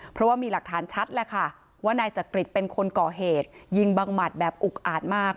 เพราะว่ามีหลักฐานชัดแหละค่ะว่านายจักริตเป็นคนก่อเหตุยิงบังหมัดแบบอุกอาจมาก